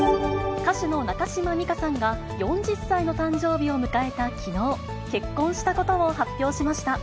歌手の中島美嘉さんが４０歳の誕生日を迎えたきのう、結婚したことを発表しました。